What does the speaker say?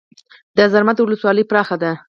د زرمت ولسوالۍ پراخه ده